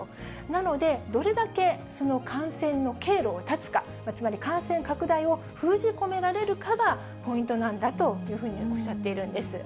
なので、どれだけ感染の経路を断つか、つまり感染拡大を封じ込められるかがポイントなんだというふうにおっしゃっているんです。